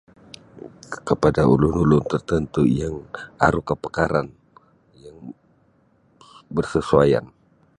Kepada ulun-ulun tertentu yang aru kepakaran yang bersesuaian.